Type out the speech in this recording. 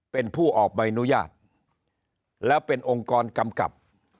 เป็นผู้ออกใบอนุญาตแล้วเป็นองค์กรกำกับ